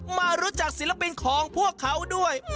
มารู้จักศิลปินของพวกเขาด้วย